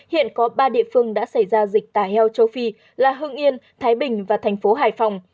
hiện có ba địa phương đã xảy ra dịch tả heo châu phi là hưng yên thái bình và thành phố hải phòng